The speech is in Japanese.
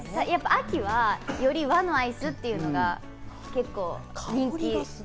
秋はより和のアイスというのが結構人気。